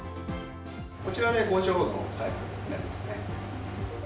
こちらで５畳のサイズになりますね。